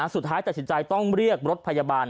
สุดท้ายตัดสินใจต้องเรียกรถพยาบาล